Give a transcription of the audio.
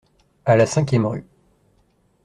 À la cinquième rue.